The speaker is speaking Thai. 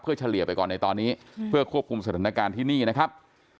เฉลี่ยไปก่อนในตอนนี้เพื่อควบคุมสถานการณ์ที่นี่นะครับ